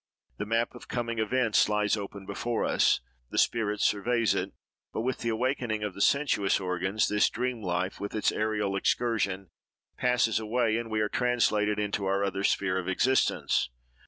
The map of coming events lies open before us, the spirit surveys it; but with the awaking of the sensuous organs, this dream life, with its aerial excursions, passes away, and we are translated into our other sphere of existence.